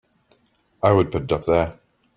I would put it up there!